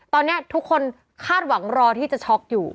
ตอนนี้ทุกคนคาดหวังรอที่จะช็อกอยู่